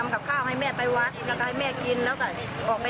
ข้าวให้แม่กินค่ะ